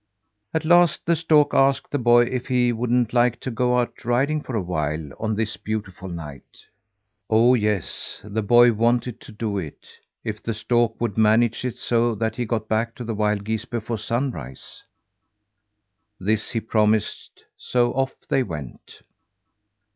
At last the stork asked the boy if he wouldn't like to go out riding for a while on this beautiful night. Oh, yes! that the boy wanted to do, if the stork would manage it so that he got back to the wild geese before sunrise. This he promised, so off they went.